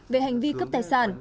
về hành vi cướp tài sản